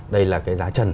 đây là cái giá trần